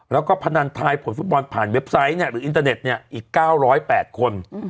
แล้วก็พนันทายผลฟุตบอลผ่านเว็บไซต์หรืออินเตอร์เน็ตอีก๙๐๘คน